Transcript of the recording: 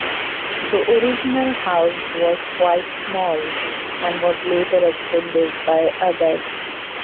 The original house was quite small and was later extended by others.